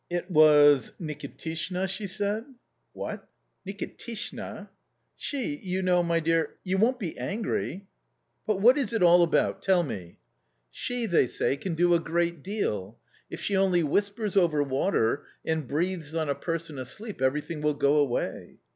"It .... was Nikitishna ?" she said. " What ! Nikitishna ?"" She, you know, my dear .... you won't be angry ?"" But what is it all about ? tell me." A COMMON STORY 257 "She, they say, can do a great deal If she only whispers over water, and breathes on a person asleep, every thing will go away."